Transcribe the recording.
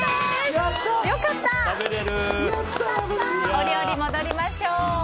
お料理戻りましょう。